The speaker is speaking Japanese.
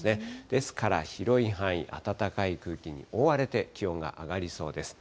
ですから、広い範囲、暖かい空気に覆われて、気温が上がりそうです。